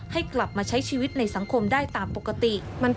ให้กลับมาใช้ชีวิตในสังคมได้ตามปกติ